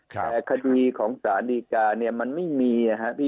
แต่คดีของสารดิการก็ไม่มี